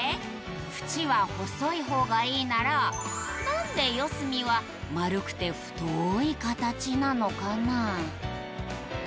フチは細い方がいいなら何で四隅は丸くて太いカタチなのかな？